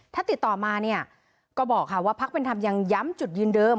ถ้าติดต่อมาเนี่ยก็บอกค่ะว่าพักเป็นธรรมยังย้ำจุดยืนเดิม